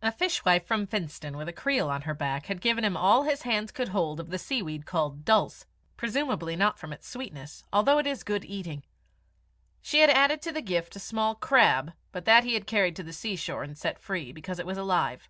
A fishwife from Finstone with a creel on her back, had given him all his hands could hold of the sea weed called dulse, presumably not from its sweetness, although it is good eating. She had added to the gift a small crab, but that he had carried to the seashore and set free, because it was alive.